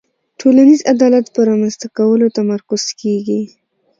ټولنیز عدالت په رامنځته کولو تمرکز کیږي.